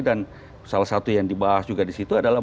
dan salah satu yang dibahas juga disitu adalah